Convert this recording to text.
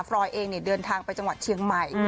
รอยเองเดินทางไปจังหวัดเชียงใหม่